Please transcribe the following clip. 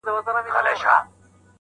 داسي معقول ځوابونه ورکول